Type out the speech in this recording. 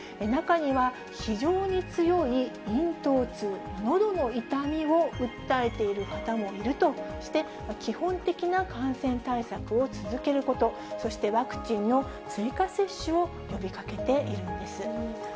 中には、非常に強い咽頭痛、のどの痛みを訴えている方もいるとして、基本的な感染対策を続けること、そして、ワクチンの追加接種を呼びかけているんです。